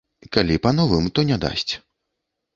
Калі па новым, то не дасць.